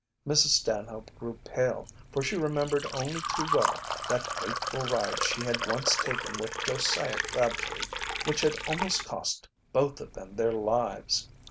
Mrs. Stanhope grew pale, for she remembered only too well that fateful ride she had once taken with Josiah Crabtree, which had almost cost both of them their lives.